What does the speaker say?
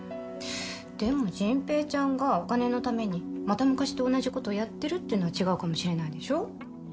でも迅平ちゃんがお金のためにまた昔と同じことをやってるっていうのは違うかもしれないでしょ。